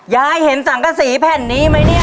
เห็นสังกษีแผ่นนี้ไหมเนี่ย